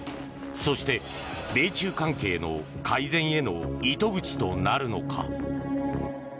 そして、米中関係の改善への糸口となるのか。